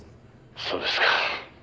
「そうですか」